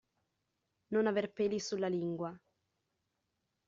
Non aver peli sulla lingua.